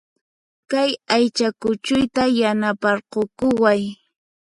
Kay aycha kuchuyta yanaparqukuway